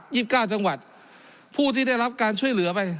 สิบเก้าจังหวัดผู้ที่ได้รับการช่วยเหลือไป